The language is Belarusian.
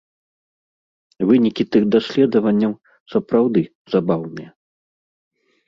Вынікі тых даследаванняў сапраўды забаўныя.